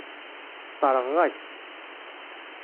Sseṛɣeɣ-ak-tt.